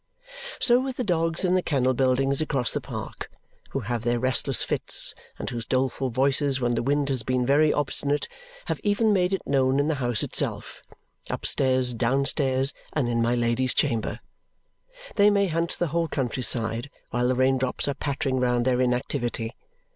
So with the dogs in the kennel buildings across the park, who have their restless fits and whose doleful voices when the wind has been very obstinate have even made it known in the house itself upstairs, downstairs, and in my Lady's chamber. They may hunt the whole country side, while the raindrops are pattering round their inactivity.